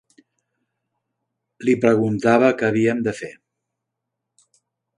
Li preguntava que havíem de fer